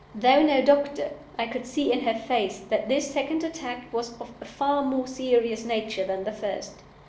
Though no doctor, I could see in her face that this second attack was of a far more serious nature than the first.